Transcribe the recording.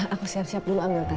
aku siap siap dulu ambil tas ya